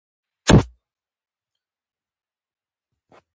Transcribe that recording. خان زمان بارکلي: ایټالویان جبهې ته د ښځو د نږدېوالي مخالف دي.